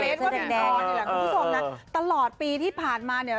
แบบนี้แหละคุณที่โสมน่ะตลอดปีที่ผ่านมาเนี่ย